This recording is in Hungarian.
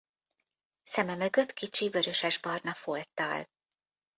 Szeme mögött kicsi vörösesbarna folttal.